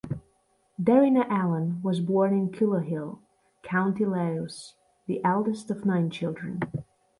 Darina Allen was born in Cullohill, County Laois, the eldest of nine children.